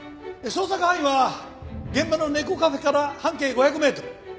捜索範囲は現場の猫カフェから半径５００メートル。